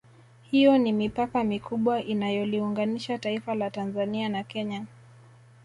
Hiyo ni mipaka mikubwa inayoliunganisha taifa la Tanzania na Kenya